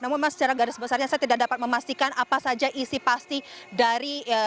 namun memang secara garis besarnya saya tidak dapat memastikan apa saja isi pasti dari